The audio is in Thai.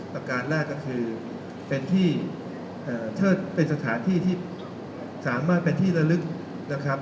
ประการแรกก็คือเป็นที่ถ้าเป็นสถานที่ที่สามารถเป็นที่ระลึกนะครับ